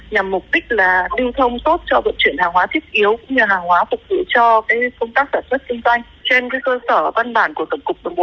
nhằm mục đích là lưu thông tốt cho vận chuyển hàng hóa thiết yếu cũng như hàng hóa phục vụ cho cái công tác sản xuất xung quanh